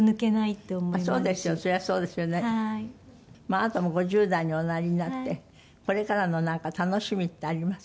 あなたも５０代におなりになってこれからの楽しみってあります？